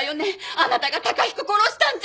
あなたが崇彦殺したんじゃ。